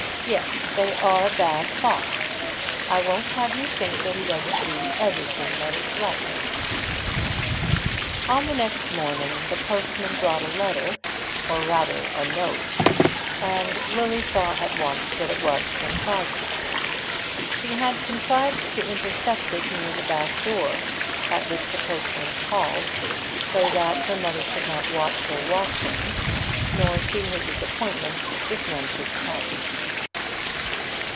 Yes, they are bad thoughts. I won't have you think that he doesn't do everything that is right." On the next morning the postman brought a letter, or rather a note, and Lily at once saw that it was from Crosbie. She had contrived to intercept it near the back door, at which the postman called, so that her mother should not watch her watchings, nor see her disappointment if none should come.